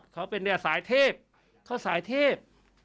เขาเป็นเนี่ยสายเทพเขาสายเทพ